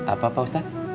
apa pak ustad